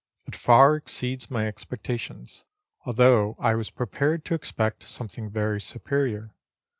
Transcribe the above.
It far exceeds my expectations, although I was prepared to expect some thing very superior.